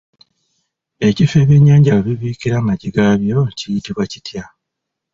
Ekifo ebyennyanja we bibiikira amagi gaabyo kiyitibwa kitya?